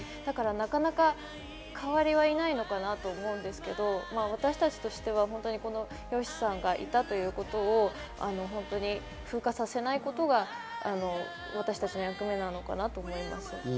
なかなか代わりはいないのかなと思うんですけど、私たちとしてはＹＯＳＨＩさんがいたということを風化させないことが、私たちの役目なのかなと思います。